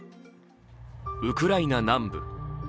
ウクライナ南部。